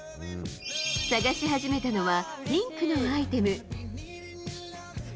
探し始めたのはピンクのアイテム。